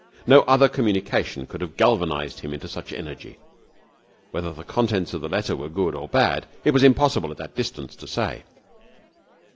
No other communication could have galvanized him into such energy. Whether the contents of the letter were good or bad it was impossible at that distance to say.